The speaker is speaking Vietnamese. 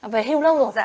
về hưu lâu rồi